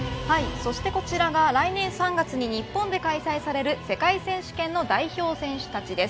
そしてこちらが来年３月に日本で開催される世界選手権の代表選手たちです。